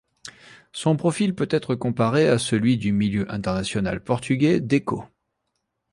Son profil peut être comparé à celui du milieu international portugais Deco.